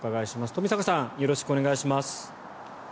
冨坂さんよろしくお願いします。